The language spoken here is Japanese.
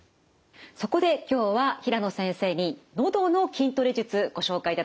そこで今日は平野先生にのどの筋トレ術ご紹介いただきます。